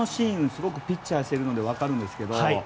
すごくピッチャーしているので分かるんですけど。